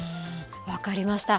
分かりました。